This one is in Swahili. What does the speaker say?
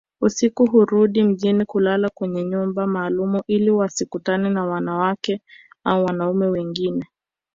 Usiku hurudi mjini kulala kwenye nyumba maalumu ili wasikutane na wanawake au wanaume wengine